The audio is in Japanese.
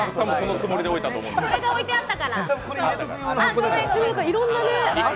これが置いてあったから。